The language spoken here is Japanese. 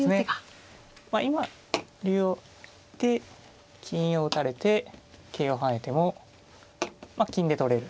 今竜を金を打たれて桂を跳ねても金で取れる。